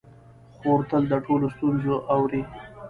خور تل د ټولو ستونزې اوري.